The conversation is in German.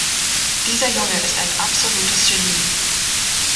Dieser Junge ist ein absolutes Genie.